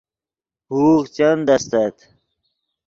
ہوغ چند استت